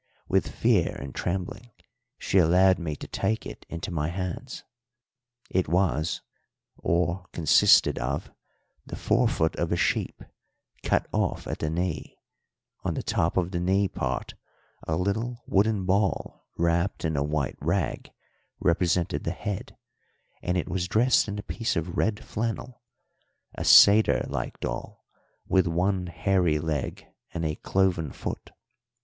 With fear and trembling she allowed me to take it into my hands. It was, or consisted of, the forefoot of a sheep, cut off at the knee; on the top of the knee part a little wooden ball wrapped in a white rag represented the head, and it was dressed in a piece of red flannel a satyr like doll, with one hairy leg and a cloven foot.